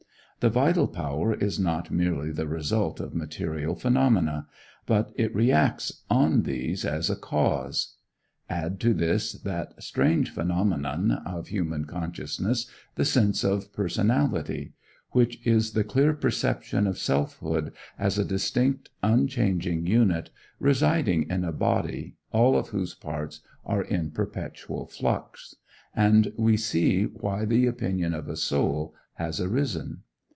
The vital power is not merely the result of material phenomena, but it reacts on these as a cause. Add to this that strange phenomenon of human consciousness, the sense of personality, which is the clear perception of selfhood as a distinct unchanging unit, residing in a body all of whose parts are in perpetual flux, and we see why the opinion of a soul has arisen.